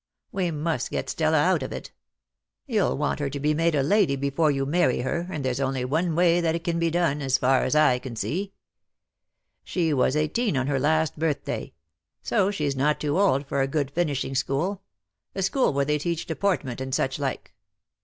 We must get Stella out of it. You'll want her made a lady before you marry her and there's only one way that it can be done,: as far as I can see. She was eighteen on her last birthday; so she's not too old for a good finishing . DEAD LOVE HAS CHAINS. ^J^ scliool, a school where they teach deportment and such hke.